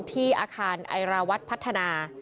ที่อาคารไอราวัฒน์พัฒนา